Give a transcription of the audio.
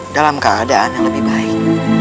dalam keadaan yang lebih baik